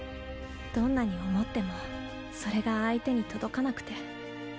どんなに想ってもそれが相手に届かなくて。